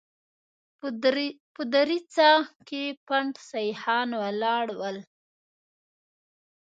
په دريڅه کې پنډ سيخان ولاړ ول.